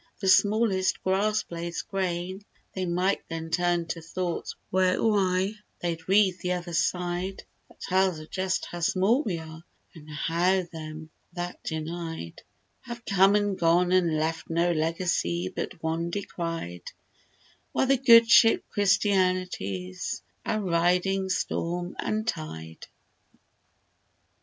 The smallest grass blade's grain; They might then turn to thoughts whereuy ^ They'd read the "other side" That tells of just how small we are, An' how them that denied Have come an' gone an' left No legacy but one decried— While the good ship, Christianity's A'ridin' storm an' tide.